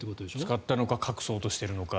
使ったのか隠そうとしているのか。